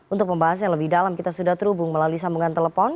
untuk pembahas yang lebih dalam kita sudah terhubung melalui sambungan telepon